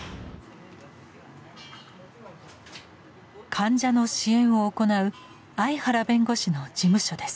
患者の支援を行う相原弁護士の事務所です。